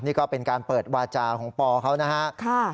นี่ก็เป็นการเปิดวาจาของปอเขานะฮะ